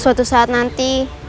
suatu saat nanti